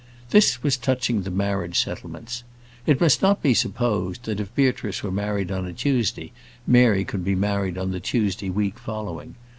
This was touching the marriage settlements. It must not be supposed, that if Beatrice were married on a Tuesday, Mary could be married on the Tuesday week following.